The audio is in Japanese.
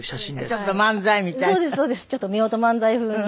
ちょっと夫婦漫才風に。